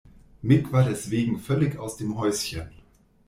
Mick war deswegen völlig aus dem Häuschen.